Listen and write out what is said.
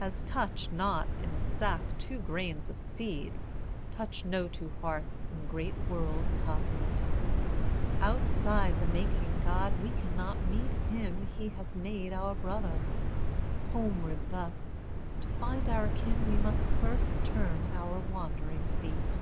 As touch not in the sack two grains of seed, Touch no two hearts in great worlds populous. Outside the making God we cannot meet Him he has made our brother: homeward, thus, To find our kin we first must turn our wandering feet.